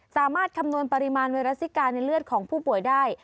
คำนวณปริมาณไวรัสซิกาในเลือดของผู้ป่วยได้